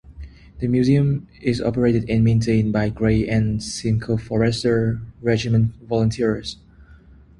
The museum is operated and maintained by Grey and Simcoe Foresters Regiment volunteers.